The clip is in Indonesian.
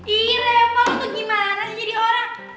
ih rev lo tuh gimana sih jadi orang